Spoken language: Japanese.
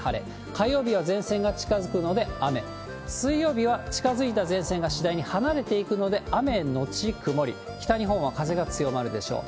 火曜日は前線が近づくので雨、水曜日は近づいた前線が次第に離れていくので、雨後曇り、北日本は風が強まるでしょう。